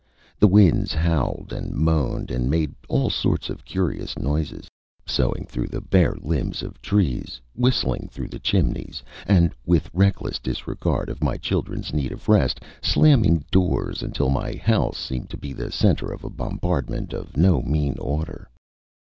The winds howled and moaned and made all sorts of curious noises, soughing through the bare limbs of the trees, whistling through the chimneys, and, with reckless disregard of my children's need of rest, slamming doors until my house seemed to be the centre of a bombardment of no mean order.